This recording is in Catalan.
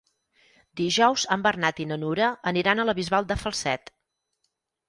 Dijous en Bernat i na Nura aniran a la Bisbal de Falset.